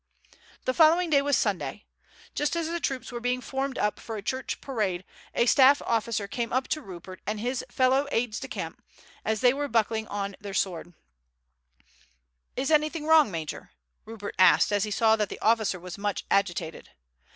The following day was Sunday. Just as the troops were being formed up for a church parade a staff officer came up to Rupert and his fellow aides de camp as they were buckling on their swords. "Is anything wrong, major?" Rupert asked, as he saw that the officer was much agitated.